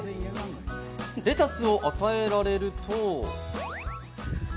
レタスを与えられると。